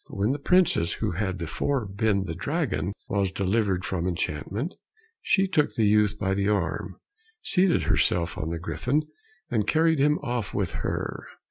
But when the princess, who had before been the dragon, was delivered from enchantment, she took the youth by the arm, seated herself on the griffin, and carried him off with her.